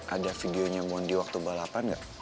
ada videonya mondi waktu balapan gak